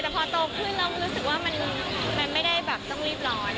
แต่พอโตขึ้นแล้วรู้สึกว่ามันไม่ได้แบบต้องรีบร้อน